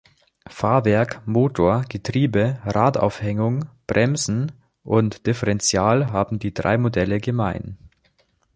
Fahrwerk, Motor, Getriebe, Radaufhängung, Bremsen und Differenzial haben die drei Modelle gemein.